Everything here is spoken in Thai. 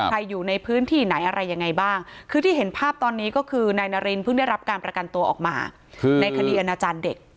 อยู่ในพื้นที่ไหนอะไรยังไงบ้างคือที่เห็นภาพตอนนี้ก็คือนายนารินเพิ่งได้รับการประกันตัวออกมาในคดีอนาจารย์เด็ก